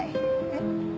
えっ？